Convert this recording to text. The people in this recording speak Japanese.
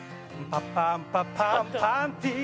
「パパンパパンパンティー」